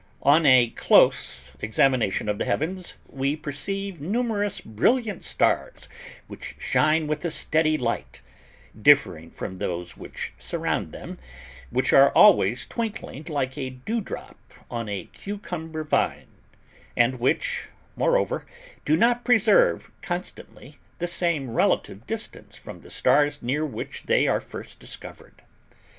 On a close examination of the Heavens we perceive numerous brilliant stars which shine with a steady light (differing from those which surround them, which are always twinkling like a dewdrop on a cucumber vine), and which, moreover, do not preserve constantly the same relative distance from the stars near which they are first discovered.